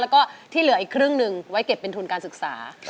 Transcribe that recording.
แล้วก็ที่เหลืออีกครึ่งหนึ่งไว้เก็บเป็นทุนการศึกษา